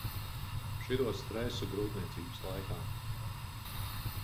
Šito stresu grūtniecības laikā.